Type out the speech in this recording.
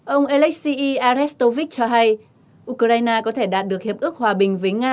ông alexey arestovych cho hay ukraine có thể đạt được hiệp ước hòa bình với nga